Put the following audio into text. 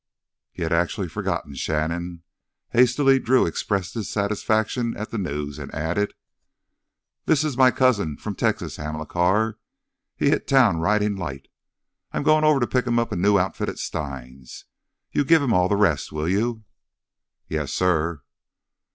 He had actually forgotten Shannon! Hastily Drew expressed his satisfaction at the news and added: "This is my cousin from Texas, Hamilcar. He hit town ridin' light. I'm goin' over to pick him up a new outfit at Stein's. You give him all the rest, will you?" "Yes, suh."